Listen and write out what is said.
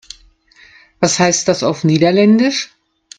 Was heißt das auf Niederländisch?